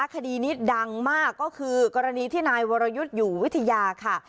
คดีนี้ดังมากก็คือกรณีที่นายวรยุทธ์อยู่วิทยาค่ะ